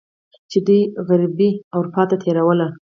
چې دوی غربي اروپا ته تیرول.